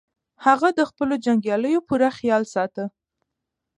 هغه د خپلو جنګیالیو پوره خیال ساته.